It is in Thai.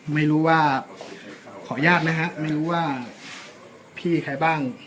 ไม่รู้ว่าขออนุญาตนะฮะไม่รู้ว่าพี่ใครบ้าง